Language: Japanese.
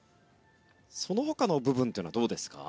そのほかの部分というのはどうですか。